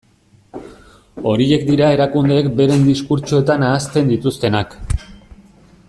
Horiek dira erakundeek beren diskurtsoetan ahazten dituztenak.